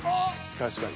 確かに。